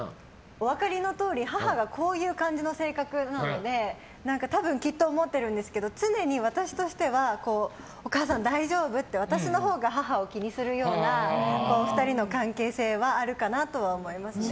お分かりのとおり母がこういう感じの性格なので多分きっと思ってるんですけど常に私としてはお母さん、大丈夫？って私のほうが母を気にするような２人の関係性はあるかなとは思いますね。